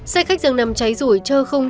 xe khách dường nằm cháy rủi chơ không